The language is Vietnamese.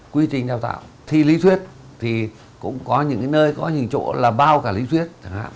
quy trình đào tạo thi lý thuyết thì cũng có những nơi có những chỗ là bao cả lý thuyết